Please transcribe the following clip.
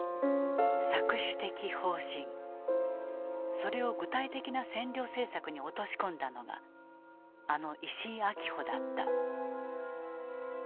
それを具体的な占領政策に落とし込んだのがあの石井秋穂だった。